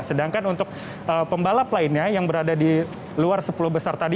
sedangkan untuk pembalap lainnya yang berada di luar sepuluh besar tadi